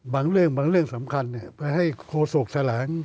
บางเรื่องสำคัญไปให้โศกทาแหลง